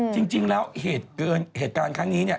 จริงแล้วเหตุการณ์ครั้งนี้เนี่ย